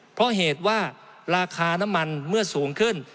เพราะเหตุว่าราคาน้ำมันเมื่อสูงขึ้น